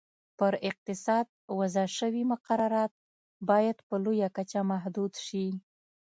پر اقتصاد وضع شوي مقررات باید په لویه کچه محدود شي.